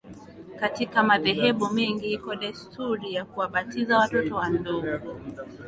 Katika madhehebu mengi iko desturi ya kuwabatiza watoto wadogo